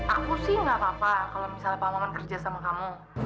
aku sih gak apa apa kalau misalnya pak maman kerja sama kamu